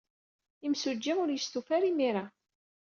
Imsujji ur yestufa ara imir-a.